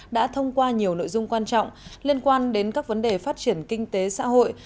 đã thông qua nhiều nội dung quan trọng liên quan đến các vấn đề phát triển kinh tế xã hội